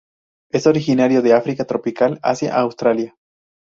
Es originario de África tropical, Asia, Australia.